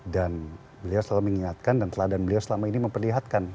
dan beliau selalu mengingatkan dan teladan beliau selama ini memperlihatkan